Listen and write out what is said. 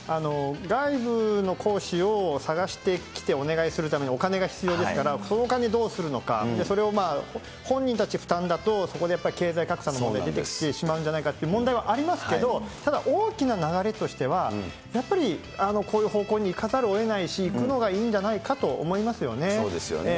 外部の講師を探してきてお願いするためにお金が必要ですから、そのお金をどうするのか、それを本人たち負担だと、そこでやっぱり経済格差の問題出てきてしまうんじゃないかって問題はありますけど、ただ大きな流れとしては、やっぱりこういう方向に行かざるをえないし、行くのがいいんじゃそうですよね。